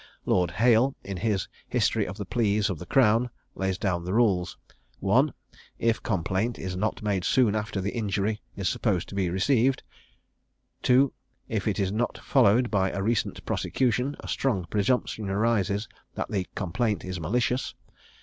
Lord Hale, in his 'History of the Pleas of the Crown,' lays down the rules: 1. If complaint is not made soon after the injury is supposed to be received; 2. If it is not followed by a recent prosecution; a strong presumption arises that the complaint is malicious.